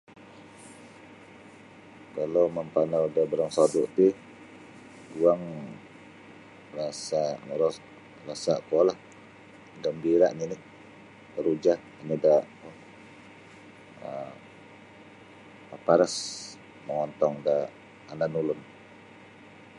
Kalau mampanau da barang sodu ti guang rasa moros rasa kuolah gambira nini teruja kanyu da kuo um maparas mongontong da anan ulun.